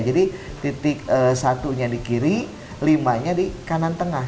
jadi titik satunya di kiri limanya di kanan tengah